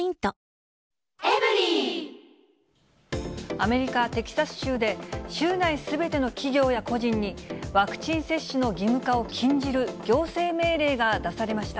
アメリカ・テキサス州で、州内すべての企業や個人に、ワクチン接種の義務化を禁じる行政命令が出されました。